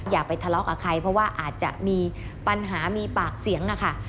อย่าไปทะเลาะกับใครเพราะว่าอาจจะมีปัญหามีปากเสียงนะคะ